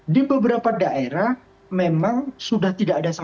di beberapa daerah memang sudah tidak ada sama sekali